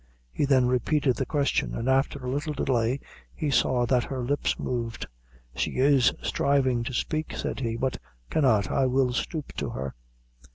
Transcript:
He then repeated the question, and after a little delay he saw that her lips moved. "She is striving to speak," said he, "but cannot. I will stoop to her."